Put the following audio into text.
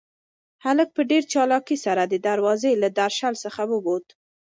هلک په ډېر چالاکۍ سره د دروازې له درشل څخه ووت.